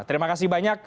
terima kasih banyak